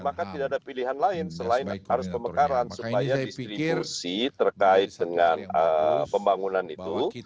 maka tidak ada pilihan lain selain harus pemekaran supaya distribusi terkait dengan pembangunan itu